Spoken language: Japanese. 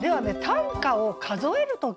短歌を数える時。